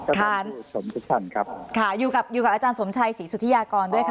สวัสดีค่ะคุณจำฝันค่ะค่ะอยู่กับอาจารย์สมชัยศรีสุธิยากรด้วยค่ะ